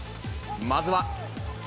まずは。